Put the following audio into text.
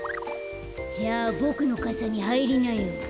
じゃあボクのかさにはいりなよ。